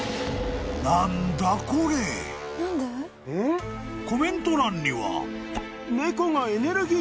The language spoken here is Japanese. ［コメント欄には］